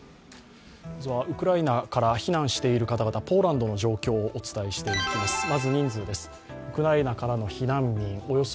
ウクライナから避難している方々、ポーランドの状況をお伝えしていきます。